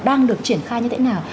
đang được triển khai như thế nào